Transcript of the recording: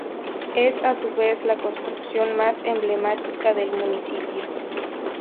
Es, a su vez, la construcción más emblemática del municipio.